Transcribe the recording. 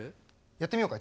やってみようか。